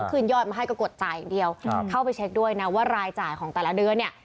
คืนยอดมาให้ก็กดจ่ายอย่างเดียวเข้าไปเช็คด้วยนะว่ารายจ่ายของแต่ละเดือนเนี่ย